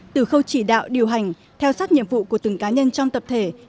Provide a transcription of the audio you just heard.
từ khâu chỉ đạo điều hành theo sát nhiệm vụ của từng cá nhân trong tập thể